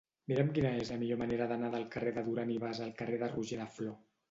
Mira'm quina és la millor manera d'anar del carrer de Duran i Bas al carrer de Roger de Flor.